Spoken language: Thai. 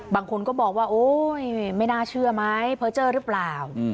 บางคนก็บอกว่าโอ๊ยไม่น่าเชื่อมั้ยเผ้าเจ้ารึเปล่า